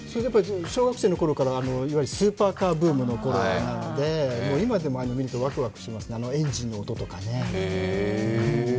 小学生のころからいわゆるスーパーカーブームのころなので今でも見るとワクワクしますね、エンジンの音とかね。